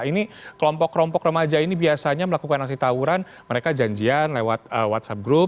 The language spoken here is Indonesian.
ini kelompok kelompok remaja ini biasanya melakukan aksi tawuran mereka janjian lewat whatsapp group